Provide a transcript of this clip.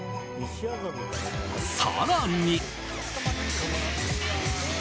更に。